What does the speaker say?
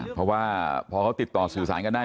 เพราะว่าพอเขาติดต่อสื่อสารกันได้